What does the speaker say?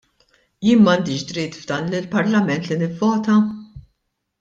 Jien m'għandix dritt f'dan il-Parlament li nivvota?!